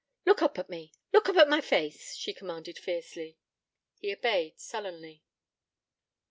'Look oop at me. Look oop into my face,' she commanded fiercely. He obeyed sullenly.